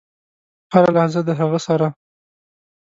هره لحظه د هغه سره .